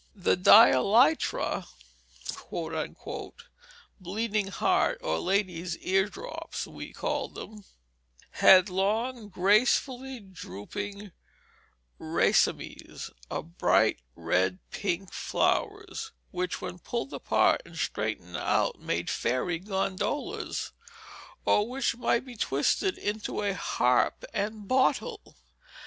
The "dielytra" (bleeding heart, or lady's eardrops we called it) had long, gracefully drooping racemes of bright red pink flowers, which when pulled apart and straightened out made fairy gondolas, or which might be twisted into a harp and bottle.